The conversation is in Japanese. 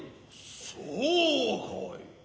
そうかい。